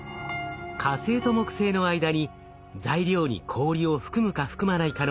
火星と木星の間に材料に氷を含むか含まないかの境界があるんです。